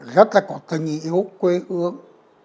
rất là có tình yêu quê hương